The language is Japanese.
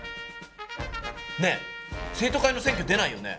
ねえ生徒会の選挙出ないよね？